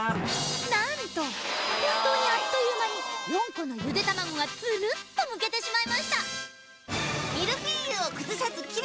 なんと本当にあっという間に４個のゆで卵がツルっとむけてしまいました。